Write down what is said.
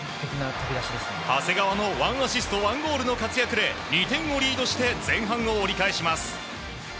長谷川の１アシスト１ゴールの活躍で２点をリードして前半を折り返します。